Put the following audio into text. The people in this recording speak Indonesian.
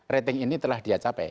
rating ini telah dia capai